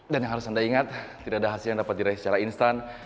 dan yang harus anda ingat tidak ada hasil yang dapat diraih secara instan